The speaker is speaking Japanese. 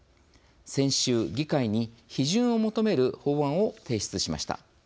先週、議会に批准を求める法案を提出しました。